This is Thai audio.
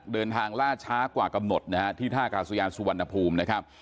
เดินทางล่าช้ากว่ากำหนดที่ท่ากาสุยานสุวรรณภูมิ